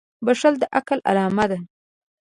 • بښل د عقل علامه ده.